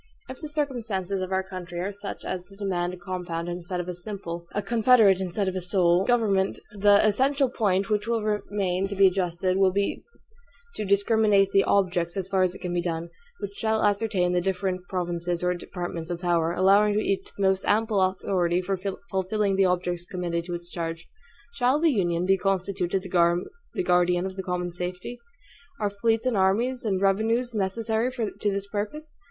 If the circumstances of our country are such as to demand a compound instead of a simple, a confederate instead of a sole, government, the essential point which will remain to be adjusted will be to discriminate the OBJECTS, as far as it can be done, which shall appertain to the different provinces or departments of power; allowing to each the most ample authority for fulfilling the objects committed to its charge. Shall the Union be constituted the guardian of the common safety? Are fleets and armies and revenues necessary to this purpose?